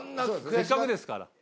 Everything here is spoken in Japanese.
せっかくですから。